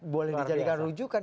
boleh dijadikan rujukan